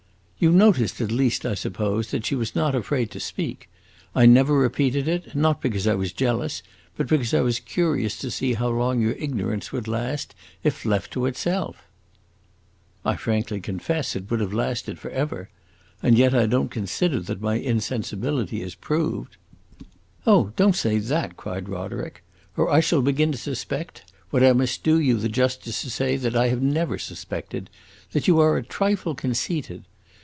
"You noticed, at least, I suppose, that she was not afraid to speak. I never repeated it, not because I was jealous, but because I was curious to see how long your ignorance would last if left to itself." "I frankly confess it would have lasted forever. And yet I don't consider that my insensibility is proved." "Oh, don't say that," cried Roderick, "or I shall begin to suspect what I must do you the justice to say that I never have suspected that you are a trifle conceited.